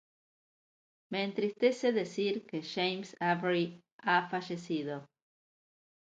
Me entristece decir que James Avery ha fallecido.